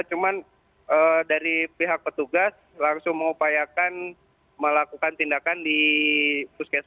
cuman dari pihak petugas langsung mengupayakan melakukan tindakan di puskesmas